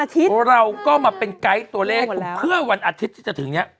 ที่แล้วของคุณเป็นไง